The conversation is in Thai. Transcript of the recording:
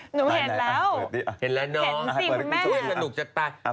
หนูเห็นแล้วเห็นแล้วเนอะเห็นสิคุณแม่อ่ะเปิดติ๊กอ่ะเปิดติ๊ก